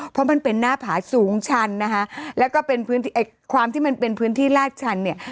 เพราะมันเป็นหน้าผาสูงชันนะคะแล้วก็เป็นพื้นที่ไอ้ความที่มันเป็นพื้นที่ลาดชันเนี่ย